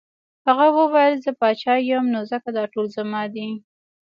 هغه وویل زه پاچا یم نو ځکه دا ټول زما دي.